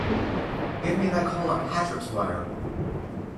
Give me that call on Patrick's wire!